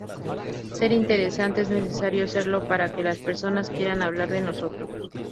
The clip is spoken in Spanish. Ser interesante, es necesario serlo para que las personas quieran hablar de nosotros.